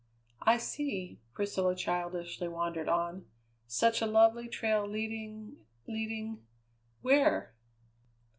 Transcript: "I see," Priscilla childishly wandered on, "such a lovely trail leading, leading where?"